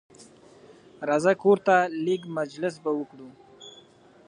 راځه کورته لېږ مجلس به وکړو